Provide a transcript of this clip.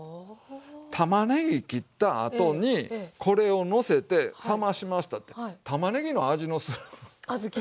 たまねぎ切ったあとにこれをのせて冷ましましたってたまねぎの味のする小豆に。